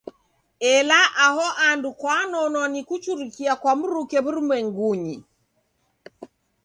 Ela aho andu kwanonwa ni kuchurikia kwa mruke w'urumwengunyi.